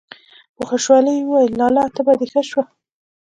په خوشالي يې وويل: لالا! تبه دې ښه شوه!!!